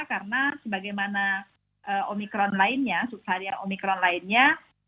karena sebagaimana omikron lainnya subvarian omikron lainnya